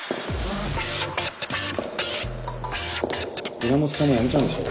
皆本さんも辞めちゃうんでしょ？